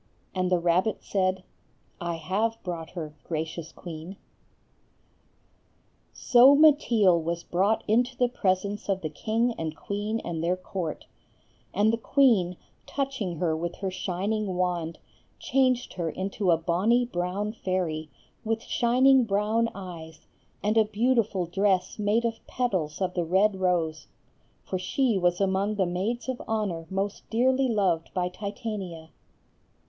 And the rabbit said, "I have brought her, gracious queen." So Mateel was brought into the presence of the king and queen and their court, and the queen, touching her with her shining wand, changed her into a bonny brown fairy, with shining brown eyes, and a beautiful dress made of petals of the red rose; for she was among the maids of honor most dearly loved by Titania.